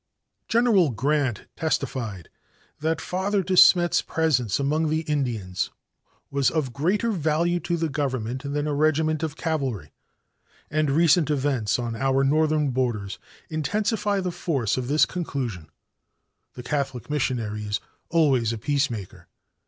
"General Grant testified that Father De Smet's presence among the Indians was of greater value to the Government than a regiment of cavalry, and recent events on our Northern borders intensify the force of this conclusion. The Catholic missionary is always a peacemaker.